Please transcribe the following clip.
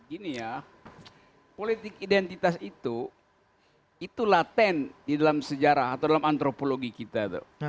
ini ya politik identitas itu itu laten di dalam sejarah atau dalam antropologi kita tuh